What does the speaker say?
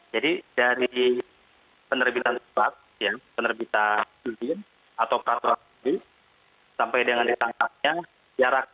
jadi dari penerbitan sebat penerbitan jubil atau peraturan jubil